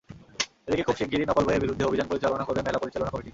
এদিকে খুব শিগগিরই নকল বইয়ের বিরুদ্ধে অভিযান পরিচালনা করবে মেলা পরিচালনা কমিটি।